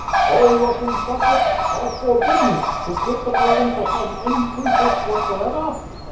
All Russian subjects are forbidden to quit the province upon any pretext whatsoever.